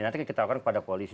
nanti kita akan kepada polisi